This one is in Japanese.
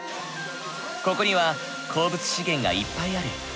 ここには鉱物資源がいっぱいある。